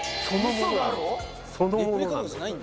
そのものなんです。